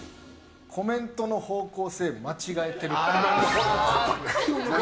コメントの方向性間違えているっぽい。